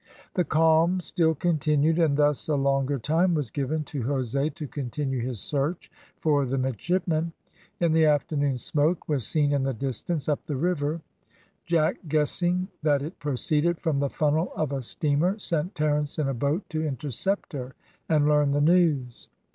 The calm still continued, and thus a longer time was given to Jose to continue his search for the midshipmen. In the afternoon smoke was seen in the distance, up the river; Jack guessing that it proceeded from the funnel of a steamer, sent Terence in a boat to intercept her and learn the news.